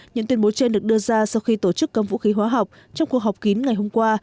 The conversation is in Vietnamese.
những tuyên bố trên được đưa ra sau khi tổ chức cấm vũ khí hóa học trong cuộc họp kín ngày hôm qua